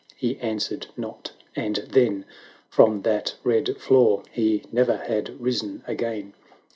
" He answered not : and then From that red floor he ne'er had risen again.